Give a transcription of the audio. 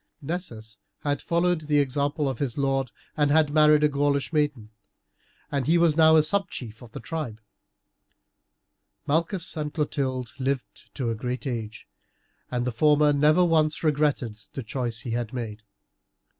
Nessus had followed the example of his lord and had married a Gaulish maiden, and he was now a subchief in the tribe. Malchus and Clotilde lived to a great age, and the former never once regretted the choice he had made.